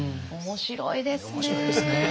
面白いですね。